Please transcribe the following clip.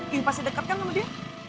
ini pasti deket kan nama dia